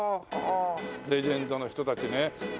レジェンドの人たちね。